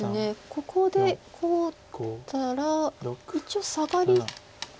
ここでこう打ったら一応サガリで。